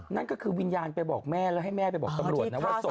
นั่นก็คือวิญญาณไปบอกแม่แล้วให้แม่ไปบอกตำรวจนะว่าศพ